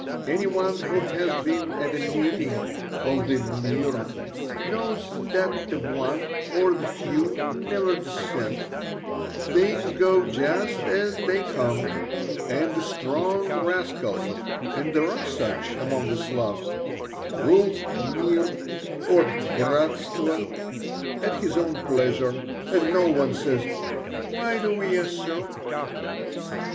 Any one who has been at a meeting of the "mir" knows that the one or the few never dissent; things go just as they come, and the strong rascal (and there are such among the Slavs) rules "mir" or "bratstvo" at his own pleasure, and no one says, "Why do ye so?"